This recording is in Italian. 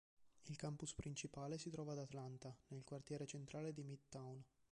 Il campus principale si trova ad Atlanta, nel quartiere centrale di Midtown.